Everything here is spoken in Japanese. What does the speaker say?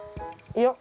いや。